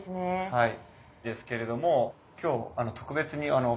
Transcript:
はい。